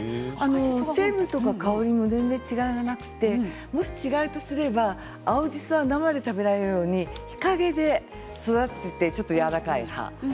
成分や香りも全然違わなくて違うとすれば青じそは生で食べられるように日陰で育てて、やわらかい葉っぱ。